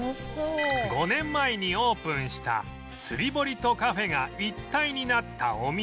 ５年前にオープンした釣り堀とカフェが一体になったお店